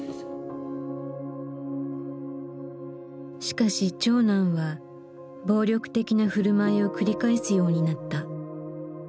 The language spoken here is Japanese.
しかし長男は暴力的な振る舞いを繰り返すようになった。